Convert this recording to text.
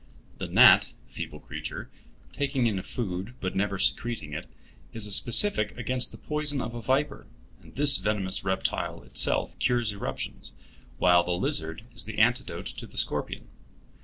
The gnat, feeble creature, taking in food but never secreting it, is a specific against the poison of a viper, and this venomous reptile itself cures eruptions, while the lizard is the antidote to the scorpion.